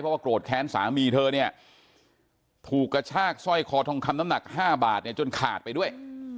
ว่าโกรธแค้นสามีเธอเนี่ยถูกกระชากสร้อยคอทองคำน้ำหนัก๕บาทเนี่ยจนขาดไปด้วย